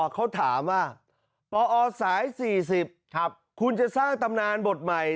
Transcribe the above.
เขาถามว่าปอสาย๔๐คุณจะสร้างตำนานบทใหม่